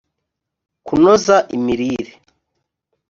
kunoza imirire